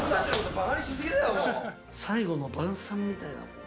最後の晩餐みたいな。